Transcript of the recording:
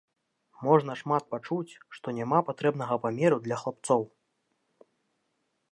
Можна шмат пачуць, што няма патрэбнага памеру для хлапцоў.